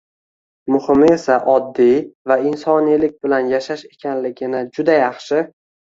muhimi esa oddiy va insoniylik bilan yashash ekanligini juda yaxshi